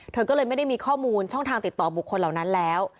เธอก็เลยไม่ได้มีข้อมูลช่องทางติดต่อบุคคลเหล่านั้นแล้ว